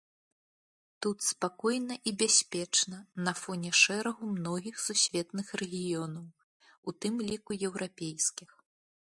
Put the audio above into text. Тут спакойна і бяспечна на фоне шэрагу многіх сусветных рэгіёнаў, у тым ліку еўрапейскіх.